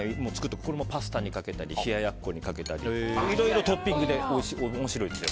パスタにかけたり冷ややっこにかけたりいろいろトッピングで面白いですよ。